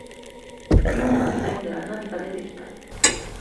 門を開いたら何か出てきた